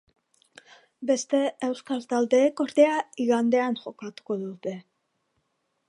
Beste euskal taldeek, ordea, igandean jokatuko dute.